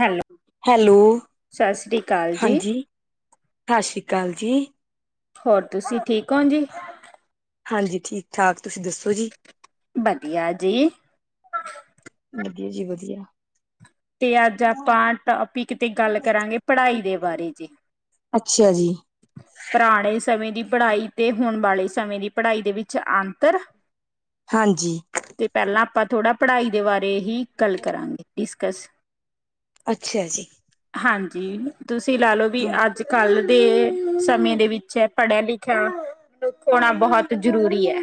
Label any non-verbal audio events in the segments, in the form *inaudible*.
Hello hello, ਸਤਿ ਸ੍ਰੀ ਅਕਾਲ ਜੀ ਹਾਂਜੀ ਸਤਿ ਸ਼੍ਰੀ ਅਕਾਲ। ਕਾਲ ਜੀ। ਹੋਰ ਤੁਸੀਂ ਠੀਕ ਹੋਂ ਜੀ? ਹਾਂਜੀ ਠੀਕ-ਠਾਕ ਤੁਸੀਂ ਦੱਸੋ ਜੀ ਵਧੀਆ ਜੀ ਵਧੀਆ ਜੀ, ਵਧੀਆ! ਤੇ ਅੱਜ ਆਪਾਂ ਟੋਪਿਕ ਤੇ ਗੱਲ ਕਰਾਂਗੇ, ਪੜ੍ਹਾਈ ਦੇ ਬਾਰੇ ਜੇ ਅੱਛਾ ਜੀ ਪੁਰਾਣੇ ਸਮੇਂ ਦੀ ਪੜ੍ਹਾਈ ਤੇ ਹੋਣ ਵਾਲੇ ਸਮੇਂ ਦੀ ਪੜ੍ਹਾਈ ਦੇ ਵਿੱਚ ਅੰਤਰ ਹਾਂਜੀ ਤੇ ਪਹਿਲਾਂ ਆਪਾਂ ਥੋੜਾ ਪੜ੍ਹਾਈ ਦੇ ਬਾਰੇ ਹੀ ਗੱਲ ਕਰਾਂਗੇ। ਕਸ ਅੱਛਾ ਜੀ। ਜੀ, ਤੁਸੀਂ ਲੈ ਲੋ ਵੀ ਹ ਅੱਜ ਕੱਲ ਦੇ ਸਮੇਂ ਦੇ ਵਿੱਚ ਪੜ੍ਹਿਆ ਲਿਖਿਆ ਹੋਣਾ ਬਹੁਤ ਜ਼ਰੂਰੀ ਐ।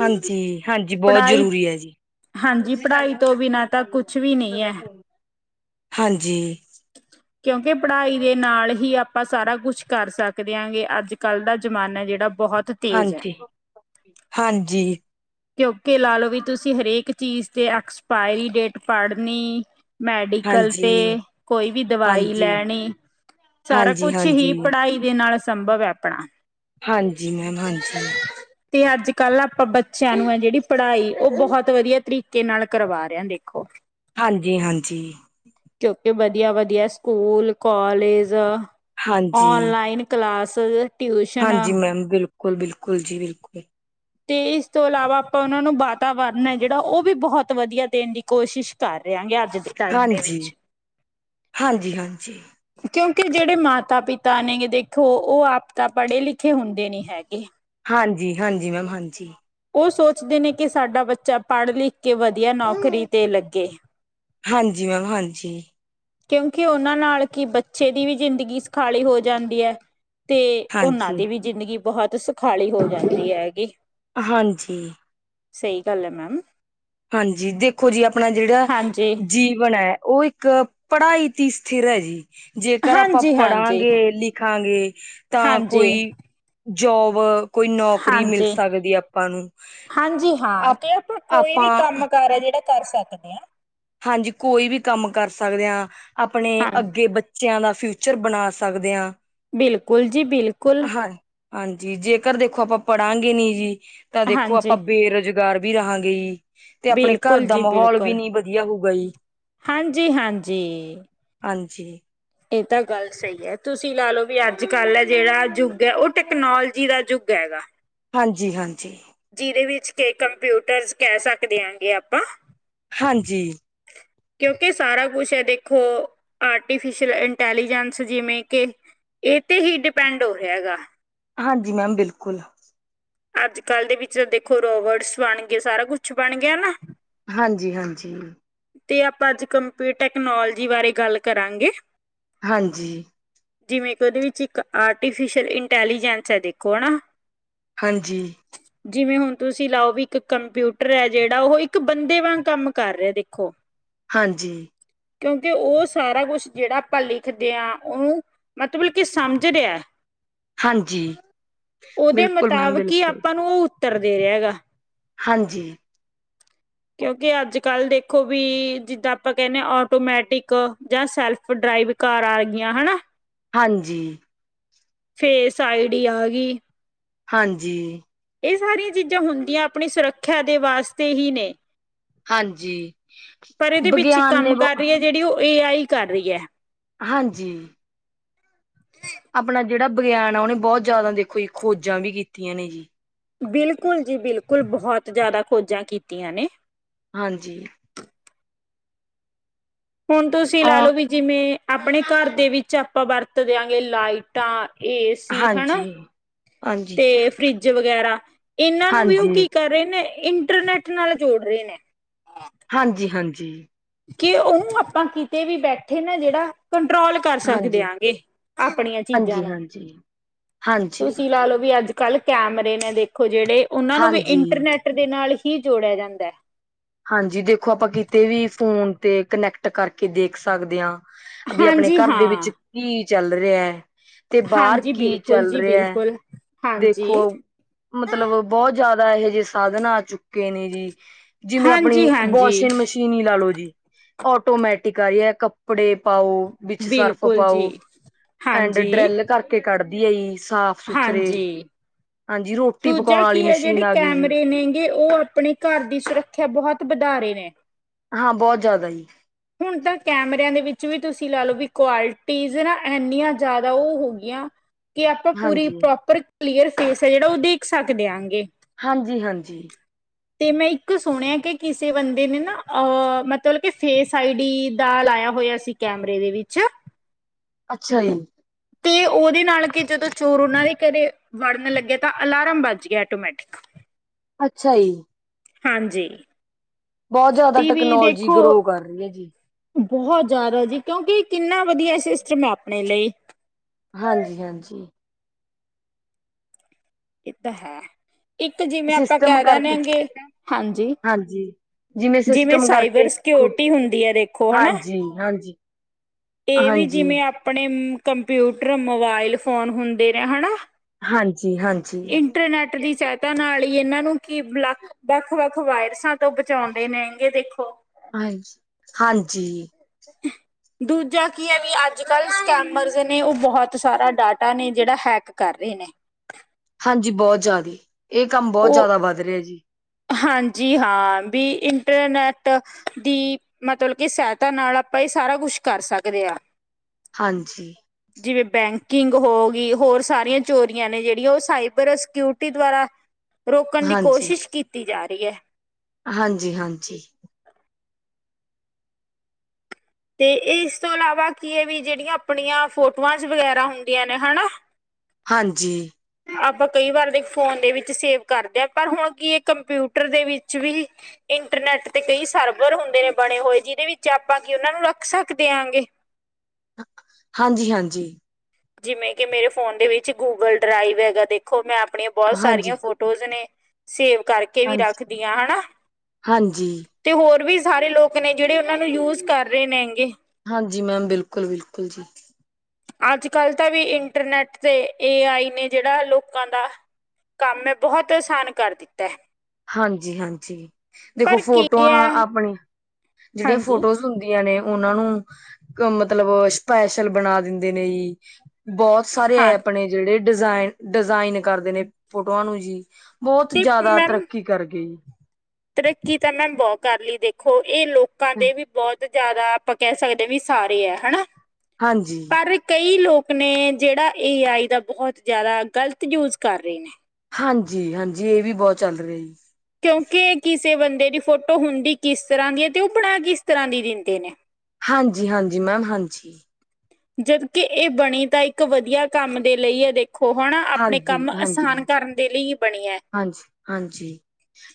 ਹਾਂਜੀ, ਹਾਂਜੀ ਬਹੁਤ ਜਰੂਰੀ ਹੈ ਜੀ। ਹਾਂਜੀ ਪੜ੍ਹਾਈ ਤੋਂ ਬਿਨਾਂ ਤਾਂ ਕੁਛ ਵੀ ਨਹੀਂ ਐਂ ਹਾਂਜੀ। ਕਿਉਂਕਿ ਪੜ੍ਹਾਈ ਦੇ ਨਾਲ ਹੀ ਆਪਾਂ ਸਾਰਾ ਕੁਛ ਕਰ ਸਕਦੇ ਹਾਂਗੇ ਅੱਜ-ਕੱਲ੍ਹ ਦਾ ਜ਼ਮਾਨਾ ਜਿਹੜਾ ਬਹੁਤ ਤੇਜ਼ ਹੈ ਹਾਂਜੀ, ਹਾਂਜੀ। ਕਿਉਂਕਿ ਲਾ ਲਓ ਵੀ ਤੁਸੀਂ, ਹਰੇਕ ਚੀਜ਼ ਤੇ ਐਕਸਪਾਇਰੀ ਡੇਟ ਪੜ੍ਹਨੀ ਮੈਡੀਕਲ ਹਾਂਜੀ ਤੇ, ਕੋਈ ਵੀ ਦਵਾਈ ਹਾਂਜੀ ਲੈਣੀ ਸਾਰਾ ਹਾਂਜੀ ਕੁਛ ਹੀ, ਹਾਂਜੀ ਪੜ੍ਹਾਈ ਦੇ ਨਾਲ ਸੰਭਵ ਹੈ ਆਪਣਾ। ਹਾਂਜੀ, ਮੈਮ ਹਾਂਜੀ ਤੇ ਅੱਜ- ਕੱਲ ਆਪਾਂ ਬੱਚ ਬੱਚਿਆਂ ਨੂੰ ਹੈ ਜਿਹੜੀ ਪੜ੍ਹਾਈ, ਓ ਬਹੁਤ ਵਧੀਆ ਤਰੀਕੇ ਨਾਲ ਕਰਵਾ ਰਿਹਾ ਦੇਖੋ‍। ਹਾਂਜੀ, ਹਾਂਜੀ। ਕਿਉਂਕਿ ਵਧੀਆ-ਵਧੀਆ ਸਕੂਲ, ਕੌਲੇਜ ਹਾਂਜੀ ਆਨ ਲਈਨ ਕਲਾਸ ਟਿਊਸ਼ਨ ਹਾਂਜੀ ਮੈਮ ਬਿਲਕੁਲ, ਬਿਲਕੁਲ ਜੀ ਬਿਲਕੁਲ। ਤੇ ਇਸ ਤੋਂ ਇਲਾਵਾ ਆਪਾਂ ਉਹਨਾਂ ਨੂੰ ਵਾਤਾਵਰਨ ਹੈ ਜਿਹੜਾ, ਉਹ ਵੀ ਬਹੁਤ ਵਧੀਆ ਦੇਣ ਦੀ ਕੋਸ਼ਿਸ਼ ਕਰ ਰਹੇਹਾਗੇ ਅੱਜ ਦੇ ਟਾਈਮ ਦੇ ਹਾਂਜੀ ਵਿੱਚ ਹਾਂਜੀ, ਹਾਂਜੀ। ਕਿਉਂਕਿ, ਜੇੜੇ ਮਾਤਾ-ਪਿਤਾ ਨੇ ਦੇਖੋ, ਓ ਆਪ ਤਾਂ ਪੜ੍ਹੇ ਲਿਖੇ ਹੁੰਦੇ ਨੀ ਹੈਗੇ। ਹਾਂਜੀ, ਹਾਂਜੀ ਮੈਮ ਹਾਂਜੀ। ਉਹ ਸੋਚਦੇ ਨੇ ਕਿ, ਸਾਡਾ ਬੱਚਾ ਪੜ੍ਹ ਲਿਖ ਕੇ ਵਧੀਆ ਨੌਕਰੀ ਤੇ ਲੱਗੇ ਹਾਂਜੀ ਮੈਮ ਹਾਂਜੀ। ਕਿਉਂਕਿ ਉਹਨਾਂ ਨਾਲ ਕਿ ਬੱਚੇ ਦੀ ਵੀ ਜਿੰਦਗੀ ਸਖਾਲੀ ਹੋ ਜਾਂਦੀ ਐ। ਤੇ ਉਹਨਾਂ ਹਾਂਜੀ, ਦੀ ਵੀ ਜਿੰਦਗੀ ਬਹੁਤ ਸੁਖਾਲੀ ਹੋ ਜਾਂਦੀ ਐਗੀ। ਹਾਂਜੀ। ਸਈ ਗੱਲ ਐ ਮੈਮ। ਹਾਂਜੀ, ਦੇਖੋ ਜੀ ਆਪਣਾ ਜਿਹੜਾ ਹਾਂਜੀ ਜੀਵਨ ਐ। ਓ ਇੱਕ ਪੜ੍ਹਾਈ ਦੀ ਸਥਿਰ ਹੈ ਜੀ। ਜੇਕਰ ਆਪਾਂ ਹਾਂਜੀ ਹਾਂਜੀ ਪੜਾਂਗੇ-ਲਿਖਾਂਗੇ ਤਾਂ ਹਾਂਜੀ ਕੋਈ ਜੋਬ, ਕੋਈ ਨੌਕਰੀ ਮਿਲ ਹਾਂਜੀ ਸਕਦੀ ਆਪਾਂ ਨੂੰ ਹਾਂਜੀ ਹਾਂ ਤੇ ਆਪਾਂ ਆਪ ਕੋਈ ਵੀ ਆਪਾਂ ਕੰਮ ਕਾਰ ਹੈ ਜਿਹੜਾ ਕਰ ਸਕਦੇ ਆਂ ਹਾਂਜੀ ਕੋਈ ਵੀ ਕੰਮ ਕਰ ਸਕਦੇ ਆਂ, ਆਪਣੇ ਹਾਂਜੀ ਅੱਗੇ ਬੱਚ ਬੱਚਿਆਂ ਦਾ ਫਿਊਚਰ ਬਣਾ ਸਕਦੇ ਆਂ। ਬਿਲਕੁਲ ਜੀ ਬਿਲਕੁਲ। ਹਾਂਜੀ ਜੇਕਰ ਦੇਖੋ ਆਪਾਂ ਪੜਾਂਗੇ ਨੀ ਜੀ ਤਾਂ ਦੇਖੋ ਆਪਾਂ ਹਾਂਜੀ ਬੇਰੁਜ ਗਾਰ ਵੀ ਰਹਾਂਗੇ ਤੇ ਅਪਨੇ ਘਰ ਬਿਲਕੁਲ ਦਾ ਜੀ ਮਾਹੌਲ ਬਿਲਕੁਲ ਵੀ ਨੀ ਵਦੀਆ ਹੋਊਗਾ ਜੀ। ਹਾਂਜੀ- ਹਾਂਜੀ। ਹਾਂਜੀ। ਈ ਤਾਂ ਗੱਲ ਸਹੀ ਐ ਤੁਸੀਂ ਲਾ ਲਓ ਵੀ ਅੱਜ-ਕੱਲ ਜੇੜਾ ਯੁੱਗ ਹੈ ਉਹ ਟੈਕਨੋਲੋਜੀ ਦਾ ਯੁੱਗ ਹੈਗਾ। ਹਾਂਜੀ- ਹਾਂਜੀ। ਜਿਦੇ ਵਿੱਚ ਕੇ ਕੰਪਿਊਟਰਸ ਕੈ ਸਕਦੇ ਆ ਗ ਆਪਾਂ। ਹਾਂਜੀ। ਕਿਉਂਕਿ ਸਾਰਾ ਕੁਛ ਐ ਦੇਖੋ ਆਰਟੀਫਿਸ਼ਲ ਇੰਟੈਲੀਜੈਂਸ ਜਿਵੇਂ ਕੇ ਏ ਤੇ ਹੀ ਡਿਪੈਂਡ ਹੋ ਰਿਆ ਹੈਗਾ। ਹਾਂਜੀ ਮੈਮ ਬਿਲਕੁਲ। ਅੱਜ ਕੱਲ ਦੇ ਵਿੱਚ ਤਾਂ ਦੇਖੋ ਰੋਬਰਟਸ ਬਨ ਗਏ ਸਾਰਾ ਕੁਛ ਬਨ ਗਿਆ ਨਾ। ਹਾਂਜੀ- ਹਾਂਜੀ। ਤੇ ਆਪਾਂ ਅੱਜ ਕੰਪਿਊਟਰ ਟੈਕਨੋਲੋਜੀ ਬਾਰੇ ਗੱਲ ਕਰਾਂਗੇ। ਹਾਂਜੀ। ਜਿਵੇਂ ਕਿ ਉਹਦੇ ਵਿੱਚ ਇੱਕ ਆਰਟੀਫਿਸ਼ਅਲ ਇੰਟੈਲੀਜੈਂਸ ਹੈ ਦੇਖੋ ਹੈ ਨਾ। ਹਾਂਜੀ। ਜਿਵੇਂ ਹੁਣ ਤੁਸੀਂ ਲਾਓ ਵੀ ਇੱਕ ਕੰਪਿਊਟਰ ਐ ਜਿਹੜਾ ਉਹ ਇੱਕ ਬੰਦੇ ਵਾਂਗ ਕੰਮ ਕਰ ਰਿਆ ਦੇਖੋ। ਹਾਂਜੀ। ਕਿਉਂਕਿ ਉਹ ਸਾਰਾ ਕੁਛ ਜੇੜਾ ਆਪਾਂ ਲਿਖਦੇ ਆ ਉਹਨੁ ਮਤਬਲ ਕੀ ਸਮਝ ਰਿਆ। ਹਾਂਜੀ, ਉਦੇ ਬਿਲਕੁਲ ਮੈਮ ਮੁਤਾਬਿਕ ਈ ਬਿਲਕੁਲ। ਆਪਾਂ ਨੂੰ ਉਹ ਉੱਤਰ ਦੇ ਰਿਆ ਹੈਗਾ। ਹਾਂਜੀ। ਕਿਉਂਕਿ ਅੱਜ ਕੱਲ ਦੇਖੋ ਵੀ ਜਿੱਦਾਂ ਆਪਾਂ ਕਹਿੰਦੇਾਂ ਆਟੋਮੈਟਿਕ ਜਾਂ ਸੈਲਫ ਡਰਾਈ *unintelligible* ਘਰ ਆ ਗੀਆਂ ਹੈਨਾ। ਹਾਂਜੀ। ਫੇਸ ਆਈਡੀ ਆ ਡੀ। ਹਾਂਜੀ। ਏ ਸਾਰੀਆਂ ਚੀਜ਼ਾਂ ਹੁੰਦੀਆਂ ਅਪਣੀ ਸੁਰੱਖਿਆ ਦੇ ਵਾਸਤੇ ਹੀ ਨੇ। ਹਾਂਜੀ। ਪਰ ਇਦੇ ਪਿੱਛੇ ਵਿਗਿਆਨ ਨੇ ਕੰਮ ਬ ਕਰ ਰਈ ਐ ਜੇੜੀ ਉਹ ਏ ਆਈ ਕਰ ਰਈ ਐ। ਹਾਂਜੀ। ਅਪਣਾ ਜੇੜਾ ਵਿਗਿਆਨ ਆ ਉਹਨੇ ਬਹੁਤ ਜ਼ਿਆਦਾ ਦੇਖੋ ਜੀ ਖੋਜਾਂ ਵੀ ਕੀਤੀਆਂ ਨੇ ਜੀ। ਬਿਲਕੁਲ ਜੀ ਬਿਲਕੁਲ ਬਹੁਤ ਜ਼ਿਆਦਾ ਖੋਜਾਂ ਕੀਤੀਆਂ ਨੇ। ਹਾਂਜੀ, ਹੁਣ ਤੁਸੀਂ ਲਾ ਅ ਲਓ ਵੀ ਜਿਵੇਂ ਆਪਣੇ ਘਰ ਦੇ ਵਿੱਚ ਆਪਾਂ ਵਰਤ ਦਿਆਂਗੇ ਲਾਈਟਾਂ। ਏ ਸੀ ਹੈ ਹਾਂਜੀ, ਨਾ। ਹਾਂਜੀ, ਤੇ ਫਰਿੱਜ ਵਗੈਰਾ ਏਨਾਂ ਨੂੰ ਵੀ ਉਹ ਹਾਂਜੀ, ਕੀ ਕਰ ਰਏ ਨੇ ਇੰਟਰਨੈਟ ਨਾਲ ਜੋੜ ਰਏ ਨੇ। ਹਾਂਜੀ- ਹਾਂਜੀ। ਕਿ ਉਹ ਆਪਾਂ ਕਿਤੇ ਵੀ ਬੈਠੇ ਨਾ ਜੇੜਾ ਕੰਟਰੋਲ ਕਰ ਹਾਂਜੀ, ਸਕਦੇਆਂਗੇ ਅਪਣੀਆਂ ਚੀਜ਼ਾਂ ਨੂੰ। ਹਾਂਜੀ, ਹਾਂਜੀ, ਤੁਸੀਂ ਲਾ ਲੋੋ ਵੀ ਅੱਜ ਕੱਲ ਕੈਮਰੇ ਨੇ ਦੇਖੋ ਜਿਹੜੇ ਉਹਨਾਂ ਨੂੰ ਵੀ ਹਾਂਜੀ। ਇੰਟਰਨੈਟ ਦੇ ਨਾਲ ਹੀ ਜੋੜਿਆ ਜਾਂਦਾ । ਹਾਂਜੀ ਦੇਖੋ ਆਪਾਂ ਕਿਤੇ ਵੀ ਫੋਨ ਤੇ ਕਨੈਕਟ ਕਰਕੇ ਦੇਖ ਸਕਦੇ ਆਂ। ਵੀ ਅਪਨੇ ਹਾਂਜੀ ਘਰ ਦੇ ਹਾਂ ਵਿੱਚ ਕੀ ਚੱਲ ਰਿਐ। ਤੇ ਬਾਹਰ ਹਾਂਜੀ ਕੀ ਬਿਲਕੁਲ ਚੱਲ ਜੀ ਰਿਹਾ ਐ। ਬਿਲਕੁਲ ਹਾਂਜੀ ਦੇਖੋ ਮਤਲਬ ਬਹੁਤ ਜ਼ਿਆਦਾ ਇਹੋ ਜਿਹੇ ਸਾਧਨ ਆ ਚੁੱਕੇ ਨੇ ਜੀ। ਜਿਵੇਂ ਹਾਂਜੀ ਆਪਣੀ ਹਾਂਜੀ ਵਾਸ਼ਿੰਗ ਮਸ਼ੀਨ ਹੀ ਲਾ ਲੋ ਜੀ। ਆਟੋਮੈਟਿਕ ਆਈ ਐ ਕੱਪੜੇ ਪਾਓ। ਵਿੱਚ ਸਰਫ ਬਿਲਕੁਲ ਜੀ ਪਾਓ ਐਂਡ ਹਾਂਜੀ ਡਰੈਲ ਕਰਕੇ ਕੱਢਦੀ ਹੈ ਜੀ ਸਾਫ ਸੁਥਰੇ ਹਾਂਜੀ ਹਾਂਜੀ ਰੋਟੀ ਪਕਾਉਣ ਦੂਜਾ ਵਾਲੀ ਕੀ ਹੈ ਮਸ਼ੀਨ ਜਿਹੜੇ ਆ ਗਈ ਜੀ। ਕੈਮਰੇ ਨੇ ਗੇ ਉਹ ਆਪਣੇ ਘਰ ਦੀ ਸੁਰੱਖਿਆ ਬਹੁਤ ਵਧਾ ਰਹੇ ਨੇ। ਹਾਂ ਬਹੁਤ ਜਿਆਦਾ ਈ। ਹੁਣ ਤਾਂ ਕੈਮਰਿਆ ਦੇ ਵਿੱਚ ਵੀ ਤੁਸੀਂ ਲਾ ਲਓ ਵੀ ਕੁਆਲਿਟੀਜ ਨਾ ਇੰਨੀਆਂ ਜਿਆਦਾ ਉਹ ਹੋ ਗਈਆਂ। ਕਿ ਆਪਾਂ ਪੂਰੀ ਹਾਂਜੀ ਪ੍ਰੋਪਰ ਕਲੀਅਰ ਫੇਸ ਹੈ ਜਿਹੜਾ ਉਹ ਦੇਖ ਸਕਦੇ ਆਂਗੇ। ਹਾਂਜੀ-ਹਾਂਜੀ ਤੇ ਮੈਂ ਇੱਕ ਸੁਣਿਆ ਕਿ ਕਿਸੇ ਬੰਦੇ ਨੇ ਨਾ ਅ ਮਤਲਬ ਕੇ ਫੇਸ ਆਈਡੀ ਦਾ ਲਾਇਆ ਹੋਇਆ ਸੀ ਕੈਮਰੇ ਦੇ ਵਿੱਚ। ਅੱਛਾ ਜੀ। ਤੇ ਉਹਦੇ ਨਾਲ ਕਿ ਜਦੋਂ ਚੋਰ ਉਹਨਾਂ ਦੇ ਘਰੇ ਵੜਨ ਲੱਗਿਆ ਤਾਂ ਅਲਾਰਮ ਬੱਜ ਗਿਆ ਆਟੋਮੈਟਿਕ ਅੱਛਾ ਜੀ। ਹਾਂਜੀ। ਬਹੁਤ ਜਿਆਦਾ ਟੀ ਵੀ ਟੈਕਨੋਲਜੀ ਦੇਖੋ ਗਰੋ ਕਰ ਰਹੀ ਹੈ ਜੀ। ਬਹੁਤ ਜਿਆਦਾ ਜੀ ਕਿਉਂਕਿ ਕਿੰਨਾ ਵਧੀਆ ਸਿਸਟਮ ਹੈ ਆਪਣੇ ਲਈ। ਹਾਂਜੀ-ਹਾਂਜੀ ਇਹ ਤਾਂ ਹੈ ਇੱਕ ਜਿਵੇਂ ਆਪਾਂ ਸਿਸਟਮ ਕਰ ਆਨੇ ਆ ਕਰਕੇ ਆਗੇ ਹਾਂਜੀ। ਹਾਂਜੀ। ਜਿਵੇਂ ਸਿਸਟਮ ਕਰਕੇ ਸਾਈਬਰ ਦੇਖੋ, ਸੈਕੁਰਟੀ ਹੁੰਦੀ ਹੈ ਦੇਖੋ ਹਨਾ। ਹਾਂਜੀ-ਹਾਂਜੀ, ਇਹ ਵੀ ਜਿਵੇਂ ਹਾਂਜੀ। ਆਪਣੇ ਕੰਪਿਊਟਰ ਮੋਬਾਇਲ ਫੋਨ ਹੁੰਦੇ ਨੇ ਹਨਾ। ਹਾਂਜੀ-ਹਾਂਜੀ, ਇੰਟਰਨੈਟ ਦੀ ਸਹਾਇਤਾ ਨਾਲ ਇਹਨਾਂ ਨੂੰ ਕਿ ਵੱਖ-ਵੱਖ ਵਾਇਰਸਾਂ ਤੋਂ ਬਚਾਉਂਦੇ ਨੇ ਗੇ ਦੇਖੋ। ਹਾਂਜੀ -ਹਾਂਜੀ। ਅਹ। ਦੂਜਾ ਕੀ ਹੈ ਵੀ ਅੱਜ ਕੱਲ ਸਕੈਮਰਸ ਨੇ ਉਹ ਬਹੁਤ ਸਾਰਾ ਡਾਟਾ ਨੇ ਜਿਹੜਾ ਹੈਕ ਕਰ ਰਹੇ ਨੇ। *inaudible* ਹਾਂਜੀ ਬਹੁਤ ਜਿਆਦੀ ਇਹ ਕੰਮ ਬਹੁਤ ਉਹ ਜਿਆਦਾ ਵੱਧ ਰਿਹਾ ਜੀ। ਹਾਂਜੀ ਹਾਂ ਵੀ ਇੰਟਰਨੈਟ ਦੀ ਮਤਲਬ ਕਿ ਸਹਾਇਤਾ ਨਾਲ ਆਪਾਂ ਇਹ ਸਾਰਾ ਕੁਛ ਕਰ ਸਕਦੇ ਹਾਂ ਹਾਂਜੀ, ਜਿਵੇਂ ਬੈਂਕ ਬੁਕਿੰਗ ਹੋ ਗਈ ਹੋਰ ਸਾਰੀਆਂ ਚੋਰੀਆਂ ਨੇ ਜਿਹੜੀਆਂ ਉਹ ਸਾਈਬਰ ਸਿਕਿਉਰਟੀ ਦੁਆਰਾ ਰੋਕਣ ਦੀ ਹਾਂਜੀ, ਕੋਸ਼ਿਸ਼ ਕੀਤੀ ਜਾ ਰਹੀ ਐ। ਹਾਂਜੀ-ਹਾਂਜੀ, ਤੇ ਇਸ ਤੋਂ ਇਲਾਵਾ ਕੀ ਵੀ ਜਿਹੜੀਆਂ ਆਪਣੀਆਂ ਫੋਟੋਆਂ 'ਚ ਵਗੈਰਾ ਹੁੰਦੀਆਂ ਨੇ ਹਨਾ। ਹਾਂਜੀ। ਆਪਾਂ ਕਈ ਵਾਰ ਦੇ ਫੋਨ ਦੇ ਵਿੱਚ ਸੇਵ ਕਰਦੇ ਹਾਂ ਪਰ ਹੁਣ ਕੀ ਏ ਕੰਪਿਊਟਰ ਦੇ ਵਿੱਚ ਵੀ ਇ ਇੰਟਰਨੈਟ ਤੇ ਕਈ ਸਰਬਰ ਹੁੰਦੇ ਨੇ ਬਣੇ ਹੋਏ ਜਿਹਦੇ ਵਿੱਚ ਆਪਾਂ ਉਹਨਾਂ ਨੂੰ ਰੱਖ ਸਕ ਦਿਆਂਗੇ। ਹਾਂਜੀ-ਹਾਂਜੀ ਜਿਵੇਂ ਕਿ ਮੇਰੇ ਫੋਨ ਦੇ ਵਿੱਚ ਗੂਗਲ ਡਰਾਈਵ ਹੈਗਾ ਦੇਖੋ ਮੈਂ ਅ ਆਪਣੀਆਂ ਬਹੁਤ ਹਾਂਜੀ, ਹਾਂਜੀ। ਸਾਰੀਆਂ ਫੋਟੋਜ ਨੇ ਸੇਵ ਕਰਕੇ ਵੀ ਹਾਂਜੀ ਰੱਖਦੀਆਂ ਹਨਾ ਹਾਂਜੀ, ਤੇ ਹੋਰ ਵੀ ਸਾਰੇ ਲੋਕ ਨੇ ਜਿਹੜੇ ਉਹਨਾਂ ਨੂੰ ਯੂਜ ਕਰ ਰਹੇ ਨੇ ਗੇ। ਹਾਂ ਜੀ ਮੈਮ ਬਿਲਕੁਲ-ਬਿਲਕੁਲ ਜੀ। ਅੱਜ ਕੱਲ੍ਹ ਤਾਂ ਵੀ ਇੰਟਰਨੈਟ ਤੇ ਏ ਆਈ ਨੇ ਜਿਹੜਾ ਲੋਕਾਂ ਦਾ । ਕੰਮ ਐ ਬਹੁਤ ਆਸਾਨ ਕਰ ਦਿੱਤਾ ਹੈ। ਹਾਂ ਜੀ ਹਾਂ ਜੀ ਦੇਖੋ ਪਰ ਕੀ ਫੋਟੋਆਂ ਹੈ ਆਪਣੀ । ਜਿਹੜੀਆਂ ਹਾਂਜੀ ਫੋਟੋਜ਼ ਹੁੰਦੀਆਂ ਨੇ । ਉਹਨਾਂ ਨੂੰ ਕ ਮਤਲਬ ਸਪੈਸ਼ਲ ਬਣਾ ਦਿੰਦੇ ਨੇ ਜੀ। ਬਹੁਤ ਸਾਰੇ ਹਾਂ ਐਪ ਨੇ ਜਿਹੜੇ ਡਿਜ਼ਾਇ ਡਿਜ਼ਾਇਨ ਕਰਦੇ ਨੇ ਫੋਟੋਆਂ ਨੂੰ ਜੀ। ਬਹੁਤ ਤੇ ਜ਼ਿਆਦਾ ਮੈਮ ਤਰੱਕੀ । ਤਰੱਕੀ ਤਾਂ ਨਾ ਬਹੁਤ ਕਰ ਲਈ ਦੇਖੋ ਇਹ ਲੋਕਾਂ ਦੇ ਵੀ ਬਹੁਤ । ਜਿਆਦਾ ਆਪਾਂ ਕਹਿ ਸਕਦੇ ਹਾਂ ਵੀ ਸਾਰੇ ਹੈ ਹਨਾ ਹਾਂਜੀ ਪਰ ਕਈ ਲੋਕ । ਨੇ ਜਿਹੜਾ ਏ ਆਈ ਦਾ ਬਹੁਤ ਜਿਆਦਾ ਗਲਤ ਯੂਸ ਕਰ ਰਹੇ ਨੇ। ਹਾਂ ਜੀ ਹਾਂ ਜੀ ਇਹ ਵੀ ਬਹੁਤ ਚੱਲ ਰਿਹਾ। ਕਿਉਂਕਿ ਕਿਸ? ਕਿਸੇ ਬੰਦੇ ਦੀ ਫੋਟੋ ਹੁੰਦੀ ਕਿਸ ਤਰ੍ਹਾਂ ਦੀ ਹੈ ਤੇ ਉਹ ਬਣਾ ਕਿਸ ਤਰ੍ਹਾਂ ਦੀ ਦਿੰਦੇ ਨੇ। ਹਾਂ ਜੀ ਹਾਂ ਜੀ ਮੈਮ ਹਾਂ ਜੀ। ਜਦਕਿ ਇਹ ਬਣੀ ਤਾ ਇੱਕ ਵਧੀਆ ਕੰਮ ਦੇ ਲਈ ਇਹ ਦੇਖ । ਖੂਹਾਂ ਨਾ ਆਪਣੇ ਹਾਂਜੀ ਕੰਮ ਹਾਂਜੀ ਆਸਾਨ ਕਰਨ ਦੇ ਲਈ ਬਣੀਆਂ ਹੈ। ਹਾਂਜੀ ਹਾਂਜੀ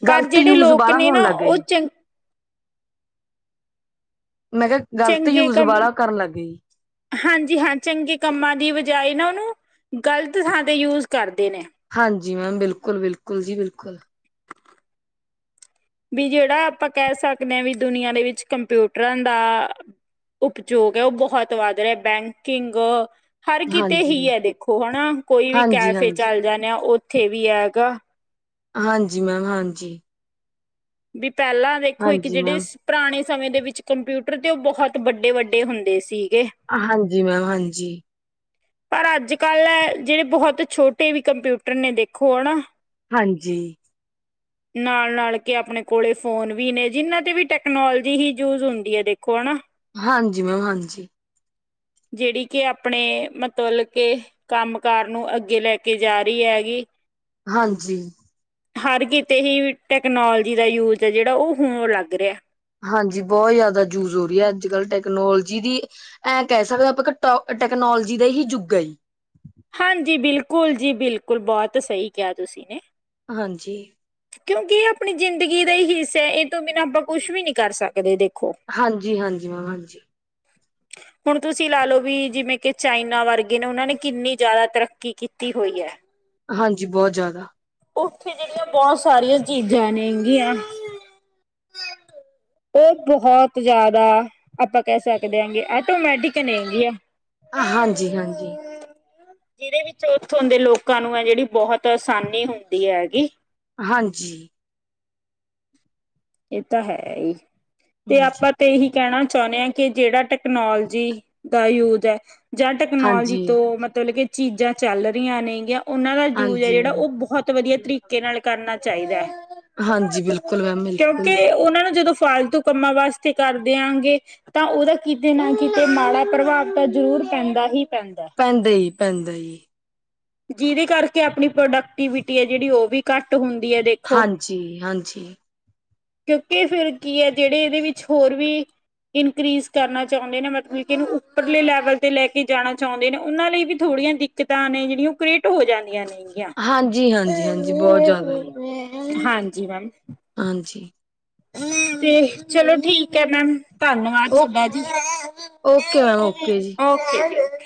ਪਰ ਗ਼ਲਤ ਜਿਹੜੇ ਯੂਜ ਲੋਕ ਵਾਲਾ ਨੇ ਹੋਣ ਨਾ ਲੱਗ ਗਿਆ ਉਹ ਜੀ ਚੰ । ਮੈਂ ਕਿਹਾ ਗ਼ਲਤ ਚੰਗੇ ਯੂਸ ਕੰਮ ਵਾਲਾ ਕਰਨ ਲੱਗੇ ਹੀ। ਹਾਂਜੀ ਹਾਂ। ਚੰਗੇ ਕੰਮਾਂ ਦੀ ਬਜਾਏ ਨਾ ਉਹਨੂੰ ਗ਼ਲਤ ਥਾਂ ਤੇ ਯੂਸ ਕਰਦੇ ਨੇ। ਹਾਂਜੀ ਮੈਮ ਬਿਲਕੁਲ ਬਿਲਕੁਲ ਜੀ ਬਿਲਕੁਲ। ਵੀ ਜਿਹੜਾ ਆਪਾਂ ਕਹਿ ਸਕਦੇ ਹਾਂ। ਵੀ ਦੁਨੀਆਂ ਦੇ ਵਿੱਚ ਕੰਪਿਊਟਰਾਂ ਦਾ । ਉਪਯੋਗ ਹੈ। ਉਹ ਬਹੁਤ ਵੱਧ ਰਿਹਾ ਬੈਂਕਿੰਗ । ਹਰ ਕਿਤੇ ਹੀ ਹਾਂਜੀ ਹੈ। ਦੇਖੋ ਹੈਨਾ ਕੋਈ ਵੀ ਹਾਂਜੀ ਕੈਫੇ ਹਾਂਜੀ ਚੱਲ ਜਾਂਦੇ ਆ। ਉ । ਉੱਥੇ ਵੀ ਹੈਗਾ। ਹਾਂ ਜੀ ਮੈਮ ਹਾਂ ਜੀ। ਵੀ ਪਹਿਲਾਂ ਦੇਖੋ ਇੱਕ ਜਿਹੜੇ ਮੈਮ, ਪੁਰਾਣੇ ਸਮੇਂ ਦੇ ਵਿੱਚ ਕੰਪਿਊਟਰ ਤੇ ਉਹ ਬਹੁਤ ਵੱਡੇ- ਵੱਡੇ ਹੁੰਦੇ ਸੀ। ਹਾਂ ਜੀ ਮੈਮ ਹਾਂ ਜੀ। ਪਰ ਅੱਜ ਕੱਲ੍ਹ ਜਿਹੜੇ ਬਹੁਤ ਛੋਟੇ ਵੀ ਕੰਪਿਊਟਰ ਨੇ ਦੇਖੋ ਹੈਨਾ । ਹਾਂ ਜੀ। ਨਾਲ-ਨਾਲ ਕੇ ਆਪਣੇ ਕੋਲੇ ਫੋਨ ਵੀ ਨੇ ਜਿਨਾਂ ਤੇ ਵੀ ਟੈਕਨੋਲੋਜੀ ਹੀ ਯੂਸ ਹੁੰਦੀ ਆ ਦੇਖੋ ਹੈਨਾ। ਹਾਂਜੀ ਮੈਮ ਹਾਂਜੀ। ਜਿਹੜੀ ਕੀ ਆਪਣੇ ਮਤਬਲ ਕੀ ਕੰਮ ਕਾਰ ਨੂੰ ਅੱਗੇ ਲੈ ਕੇ ਜਾ ਰਹੀ ਹੈਗੀ। ਹਾਂਜੀ। ਹਰ ਕਿਤੇ ਹੀ ਟੈਕਨੋਲੋਜੀ ਦਾ ਯੂਜ ਹੈ ਜਿਹੜਾ ਉਹ ਹੁਣ ਲੱਗ ਰਿਹਾ। ਹਾਂ ਜੀ ਬਹੁਤ ਜ਼ਿਆਦਾ ਯੂਸ ਹੋ ਰਹੀ ਹੈ। ਅੱਜ ਕੱਲ ਟੈਕਨੋਲੋਜੀ ਦੀ ਐਂ ਕਹਿ ਸਕਦੇ ਆਪਾਂ ਘਟਾ । ਟੈਕਨੋਲੋਜੀ ਦਾ ਹੀ ਯੁੱਗ ਐ। ਹਾਂ ਜੀ ਬਿਲਕੁਲ ਜੀ ਬਿਲਕੁਲ ਬਹੁਤ ਸਹੀ ਕਿਹਾ ਤੁਸੀਂ ਨੇ। ਹਾਂ ਜੀ। ਕਿਉਂਕਿ ਇਹ ਆਪਣੀ ਜ਼ਿੰਦਗੀ ਦਾ ਹੀ ਹਿੱਸਾ ਹੈ। ਇਹ ਤੋਂ ਬਿਨਾਂ ਆਪਾਂ ਕੁਝ ਵੀ ਨੀ ਕਰ ਸਕਦੇ ਦੇ। ਹਾਂਜੀ ਹਾਂਜੀ ਮੈਮ ਹਾਂਜੀ। *unintelligible* ਹੁਣ ਤੁਸੀਂ ਲਾ ਲਓ ਵੀ ਜਿਵੇਂ ਕਿ ਚਾਈਨਾ ਵਰਗੇ ਨੇ ਉਹਨਾਂ ਨੇ ਕਿੰਨੀ ਜ਼ਿਆਦਾ ਤਰੱਕੀ ਕੀਤੀ ਹੋਈ ਹੈ। ਹਾਂ ਜੀ ਬਹੁਤ ਜ਼ਿਆਦਾ। ਉੱਥੇ ਜਿਹੜੀਆਂ ਬਹੁਤ ਸਾਰੀਆਂ ਚੀਜ਼ਾਂ ਨੇ ਹੈਗੀਆਂ। ਉਹ ਬਹੁਤ ਜ਼ਿਆਦਾ ਆਪਾਂ ਕਹਿ ਸਕਦੇ ਹਾਂ ਕਿ ਆਟੋਮੈਟਿਕ ਨੇ ਹੈਗੇ ਆ। ਹਾਂਜੀ ਹਾਂਜੀ। ਜਿਹਦੇ ਵਿੱਚ ਉੱਥੋਂ ਦੇ ਲੋਕਾਂ ਨੂੰ ਹੈ ਜਿਹੜੀ ਬਹੁਤ ਆਸਾਨੀ ਹੁੰਦੀ ਹੈਗੀ। ਹਾਂ ਜੀ। ਇਹ ਤਾਂ ਹੈ ਹੀ ਤੇ ਹਾਂਜੀ, ਆਪਾਂ ਤੇ ਇਹੀ ਕਹਿਣਾ । ਚਾਹੁੰਦੇ ਹਾਂ ਕੀ ਜਿਹੜਾ ਟੈਕਨੋਲੋਜੀ ਦਾ ਯੂਸ ਹੈ। ਜਾਂ ਟੈਕਨੋਲੋਜੀ ਹਾਂਜੀ, ਤੋਂ ਮਤਲਬ ਕੀ ਚੀਜ਼ਾਂ ਚੱਲ ਰਹੀਆਂ ਨੇ ਜਾਂ ਉਹਨਾਂ ਦਾ ਯੂਜ ਐ ਹਾਂਜੀ ਜਿਹੜਾ ਮੈਮ। ਉਹ ਬਹੁਤ ਵਧੀਆ ਤਰੀਕੇ ਨਾਲ ਕਰਨਾ ਚਾਹੀਦਾ ਹੈ। ਹਾਂਜੀ ਬਿਲਕੁਲ ਮੈਮ ਬਿਲਕੁਲ। ਕਿਉਂਕਿ ਉਹਨਾਂ ਜਦੋਂ ਫਾਲਤੂ ਕੰਮਾਂ ਵਾਸਤੇ ਕਰ ਦਿਆਂਗੇ ਤਾਂ। ਉਹਦਾ ਕਿਤੇ ਨਾ ਕਿਤੇ ਮਾੜਾ ਪ੍ਰਭਾਵ ਪੈ ਜ਼ਰੂਰ ਪੈਂਦਾ ਹੀ ਪੈਂਦਾ ਈ-ਪੈਂਦਾ ਈ। ਜਿਹਦੇ ਕਰਕੇ ਆਪਣੀ ਪ੍ਰੋਡਕਟੀਵਿਟੀ ਹੈ। ਜਿਹੜੀ ਉਹ ਵੀ ਘੱਟ ਹੁੰਦ ਹਾਂਜੀ- ਹਾਂਜੀ। ਕਿਉਂਕਿ ਫਿਰ ਕੀ ਹੈ ਜਿਹੜੇ ਇਹਦੇ ਵਿੱਚ ਹੋਰ ਵੀ ਇਨਕਰੀਜ਼ ਕਰਨਾ ਚਾਹੁੰਦੇ ਨੇ ਮਤਲਬ ਕਿ ਇਹਨੂੰ ਉੱਪਰਲੇ ਲੈਵਲ ਤੇ ਲੈ ਕੇ ਜਾਣਾ ਚਾਹੁੰਦੇ ਨੇ ਉਹਨਾਂ ਲਈ ਵੀ ਥੋੜ੍ਹੀ ਬੜੀਆਂ ਦਿੱਕਤਾਂ ਨੇ ਜਿਹੜੀਆਂ ਉਹ ਕ੍ਰੀਏਟ ਹੋ ਜਾਂਦੀਆਂ ਨੇ। ਹਾਂਜੀ, ਹਾਂਜੀ, ਹਾਂਜੀ ਬਹੁਤ ਜ਼ਿਆਦਾ ਜੀ। *inaudible* ਹਾਂਜੀ ਮੈਮ ਹਾਂਜੀ *inaudible* ਤੇ ਚਲੋ ਠੀਕ ਹੈ ਮੈਮ ਧੰਨਵਾਦ ਓ ਤੁਹਾਡਾ ਜੀ ਓਕੇ ਮੈਮ ਓਕੇ ਜੀ। *inaudible* ਓਕੇ